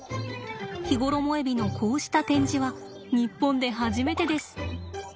ヒゴロモエビのこうした展示は日本で初めてです。